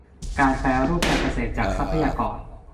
การแปรรูปการเกษตรจากทรัพยากร